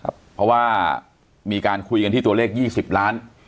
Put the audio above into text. เพราะว่ามีการคุยกันที่ตัวเลข๒๐ล้าน